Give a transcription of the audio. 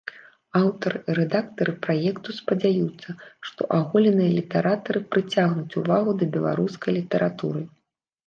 Аўтары і рэдактары праекту спадзяюцца, што аголеныя літаратары прыцягнуць увагу да беларускай літаратуры.